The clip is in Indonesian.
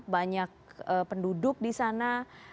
banyak penduduk disana